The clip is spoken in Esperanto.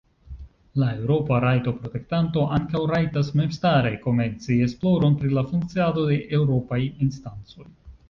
La Eŭropa Rajtoprotektanto ankaŭ rajtas memstare komenci esploron pri la funkciado de Eŭropaj instancoj.